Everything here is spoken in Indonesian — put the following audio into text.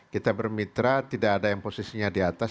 kita bermitra tidak ada yang posisinya di atas